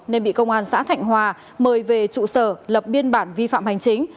nên bị công an xã thạnh hòa mời về trụ sở lập biên bản vi phạm hành chính